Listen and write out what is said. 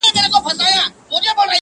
هغه لمرونو هغه واورو آزمېیلی چنار!.